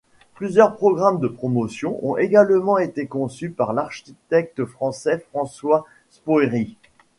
Plusieurs programmes de promotion ont également été conçus par l'architecte français François Spoerry.